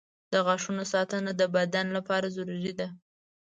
• د غاښونو ساتنه د بدن لپاره ضروري ده.